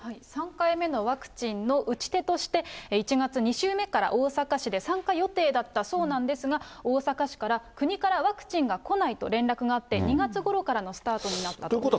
３回目のワクチンの打ち手として、１月２週目から大阪市で参加予定だったそうなんですが、大阪市から、国からワクチンが来ないと連絡があって、２月ごろからのスタートになったと。